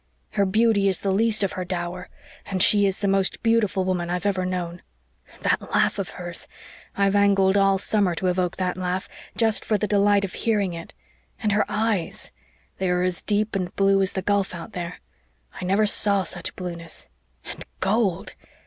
"Her beauty is the least of her dower and she is the most beautiful woman I've ever known. That laugh of hers! I've angled all summer to evoke that laugh, just for the delight of hearing it. And her eyes they are as deep and blue as the gulf out there. I never saw such blueness and gold!